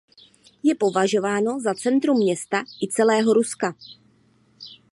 Je považováno za centrum města i celého Ruska.